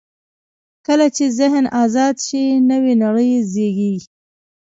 کله چې ذهن آزاد شي، نوې نړۍ زېږي.